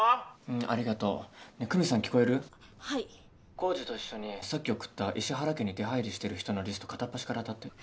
浩次と一緒にさっき送った石原家に出はいりしてる人のリスト片っ端から当たって。